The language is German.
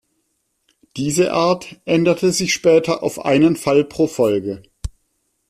Diese Art änderte sich später auf einen Fall pro Folge.